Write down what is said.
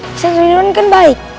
kosong terliduan kan baik